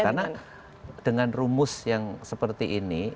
karena dengan rumus yang seperti ini